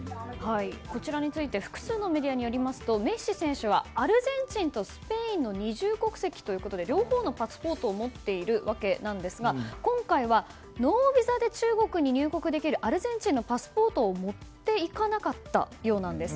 こちらについて複数のメディアによりますとメッシ選手はアルゼンチンとスペインの二重国籍ということで両方のパスポートを持っているわけですが今回はノービザで中国に入国できるアルゼンチンのパスポートを持っていかなかったようなんです。